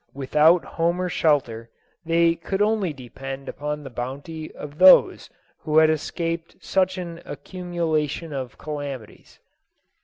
Without home or shelter, they could only depend upon the bounty of those who had escaped such an accumulation of calamities.